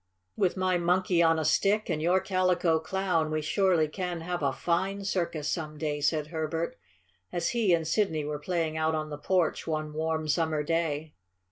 "With my Monkey on a Stick and your Calico Clown we surely can have a fine circus some day," said Herbert, as he and Sidney were playing out on the porch one warm, summer day.